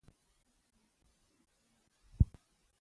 دښتې د اړتیاوو د پوره کولو وسیله ده.